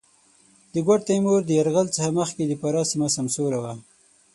د ګوډ تېمور د یرغل څخه مخکې د فراه سېمه سمسوره وه.